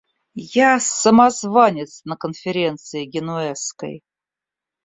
Я — самозванец на конференции Генуэзской.